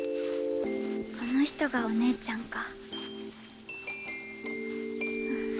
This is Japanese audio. あの人がお姉ちゃんか。